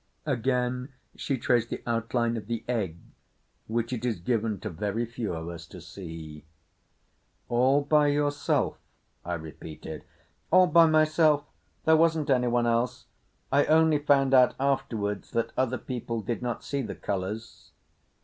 Again she traced the outline of the Egg which it is given to very few of us to see. "All by yourself?" I repeated. "All by myself. There wasn't anyone else. I only found out afterwards that other people did not see the Colours."